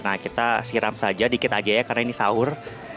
nah kita siram saja dikit aja ya karena ini sahur